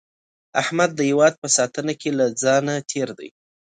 احمد د هیواد په ساتنه کې له ځانه تېر دی.